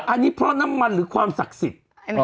อันนี้เพราะน้ำมันหรือความศักดิ์สิทธิ์